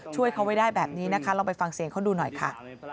ช่วยเขาไว้ได้แบบนี้นะคะลองไปฟังเสียงเขาดูหน่อยค่ะ